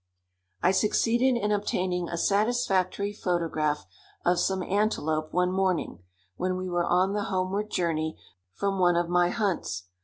I succeeded in obtaining a satisfactory photograph of some antelope one morning, when we were on the homeward journey from one of my hunts.